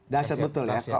dahsyat betul ya